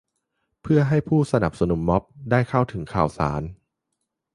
เพื่อให้ผู้สนับสนุนม็อบได้เข้าถึงข่าวสาร